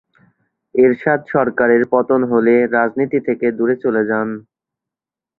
এরশাদ সরকারের পতন হলে রাজনীতি থেকে দূরে চলে যান।